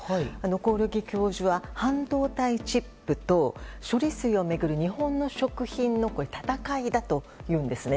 興梠教授は、半導体チップと処理水を巡る日本の食品の戦いだというんですね。